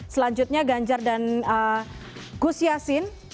selanjutnya ganjar dan gus yassin